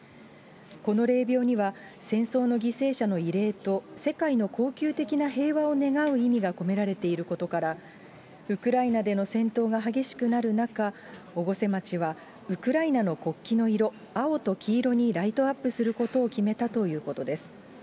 この霊びょうには、戦争の犠牲者の慰霊と世界の恒久的な平和を願う意味が込められていることから、ウクライナでの戦闘が激しくなる中、越生町は、ウクライナの国旗の色、青と黄色にライトアップすることを決めたということです。